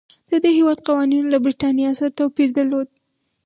د دې هېواد قوانینو له برېټانیا سره توپیر درلود.